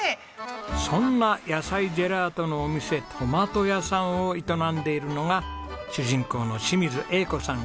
そんな野菜ジェラートのお店「とまと屋さん」を営んでいるのが主人公の清水英子さん